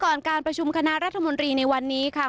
การประชุมคณะรัฐมนตรีในวันนี้ค่ะ